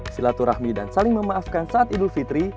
silaturahmi dan saling memaafkan saat idul fitri